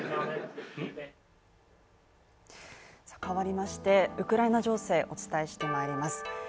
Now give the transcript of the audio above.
変わりましてウクライナ情勢お伝えしてまいります。